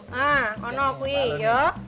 nah ono kuih yuk